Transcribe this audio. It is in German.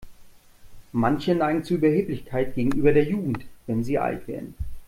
Manche neigen zu Überheblichkeit gegenüber der Jugend, wenn sie alt werden.